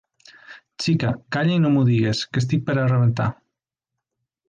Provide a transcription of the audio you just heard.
Xica, calla i no m’ho digues, que estic per a rebentar.